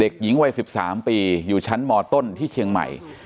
เด็กหญิงวัย๑๓ปีอยู่ชั้นมต้นที่เชียงใหม่